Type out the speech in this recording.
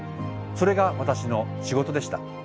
それが私の仕事でした。